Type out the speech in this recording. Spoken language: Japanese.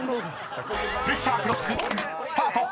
［プレッシャークロックスタート！］